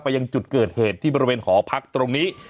ยังจุดเกิดเหตุที่บริเวณหอพักตรงนี้